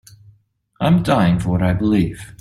I'm dying for what I believe.